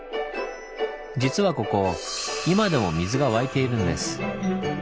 実はここ今でも水が湧いているんです。